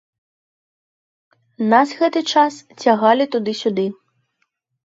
Нас гэты час цягалі туды-сюды.